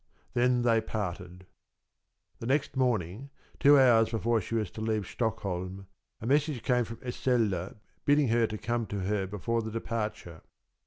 Then they parted. The next morning, two hours before she was to leave Stockholm, a message came from Esselde bidding her come to her before the departure.